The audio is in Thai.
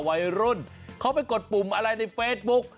วัยรุ่นเขาไปกดปุ่มอะไรในเฟซบุ๊ก